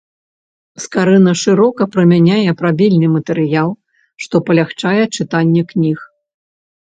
Скарына шырока прымяняе прабельны матэрыял, што палягчае чытанне кніг.